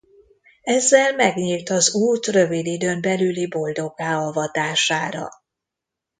Ezzel megnyílt az út rövid időn belüli boldoggá avatására.